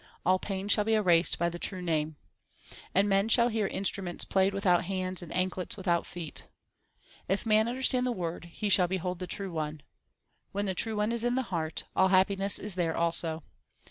All pain shall be erased by the True Name, And men shall hear instruments played without hands and anklets without feet. If man understand the Word, he shall behold the True One. When the True One is in the heart, all happiness is there also.